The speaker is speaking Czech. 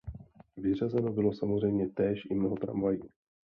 Vyřazeno bylo samozřejmě též i mnoho tramvají.